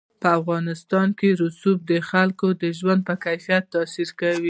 په افغانستان کې رسوب د خلکو د ژوند په کیفیت تاثیر کوي.